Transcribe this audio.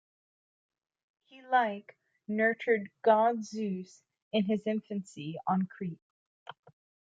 Helike nurtured god Zeus in his infancy on Crete.